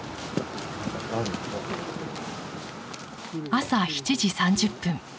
朝７時３０分。